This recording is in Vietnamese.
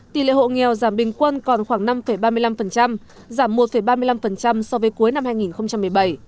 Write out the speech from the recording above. tỷ lệ hộ nghèo giảm bình quân còn khoảng năm ba mươi năm giảm một ba mươi năm so với cuối năm hai nghìn một mươi bảy